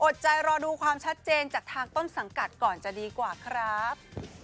ใจรอดูความชัดเจนจากทางต้นสังกัดก่อนจะดีกว่าครับ